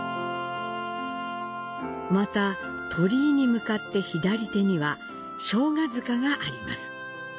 また、鳥居に向かって左手には生姜塚があります。